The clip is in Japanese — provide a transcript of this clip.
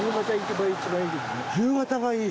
夕方がいい。